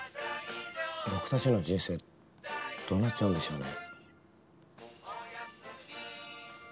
僕たちの人生どうなっちゃうんでしょうね？